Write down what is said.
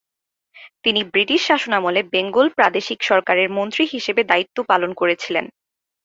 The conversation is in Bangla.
তিনি ব্রিটিশ শাসনামলে বেঙ্গল প্রাদেশিক সরকারের মন্ত্রী হিসেবে দায়িত্ব পালন করেছিলেন।